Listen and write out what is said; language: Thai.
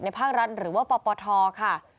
ภาครัฐหรือว่าปปทค่ะ